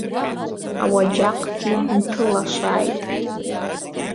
Ауаџьаҟгьы нҭылашааит.